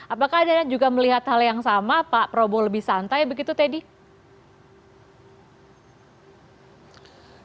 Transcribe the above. apakah anda juga melihat hal yang sama pak prabowo lebih santai begitu teddy